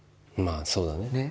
まあそうだね。